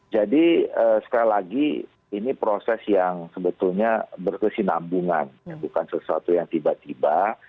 jadi sekali lagi ini proses yang sebetulnya berkesinambungan bukan sesuatu yang tiba tiba